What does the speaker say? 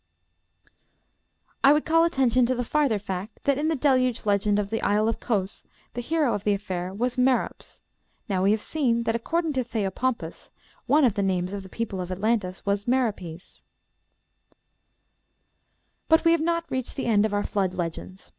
I would call attention to the farther fact that in the Deluge legend of the Isle of Cos the hero of the affair was Merops. Now we have seen that, according to Theopompus, one of the names of the people of Atlantis was "Meropes." But we have not reached the end of our Flood legends.